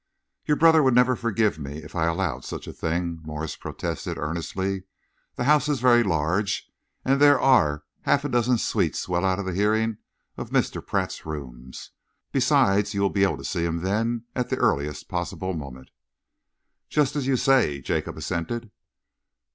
"Your brother would never forgive me if I allowed such a thing," Morse protested earnestly. "The house is very large, and there are half a dozen suites well out of hearing of Mr. Pratt's rooms. Besides, you will be able to see him then at the earliest possible moment." "Just as you say," Jacob assented.